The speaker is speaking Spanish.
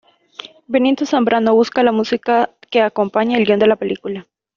Benito Zambrano busca la música que acompañe al guion de la película.